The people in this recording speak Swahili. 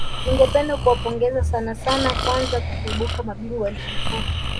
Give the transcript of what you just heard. Ningependa kuwapongeza sana sana kwanza kwa kuibuka mabingwa na ligi kuu